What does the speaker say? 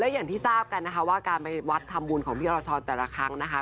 อย่างที่ทราบกันนะคะว่าการไปวัดทำบุญของพี่อรชรแต่ละครั้งนะคะ